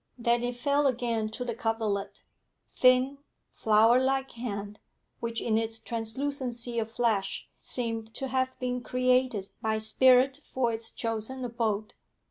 Then it fell again to the coverlet thin, flower like hand, which in its translucency of flesh seemed to have been created by spirit for its chosen abode.